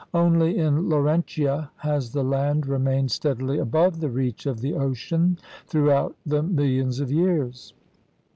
Only in Laurentia has the land remained steadily above the reach of the ocean throughout the millions of years.